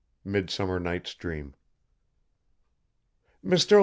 MIDSUMMER NIGHT'S DREAM. "Mr.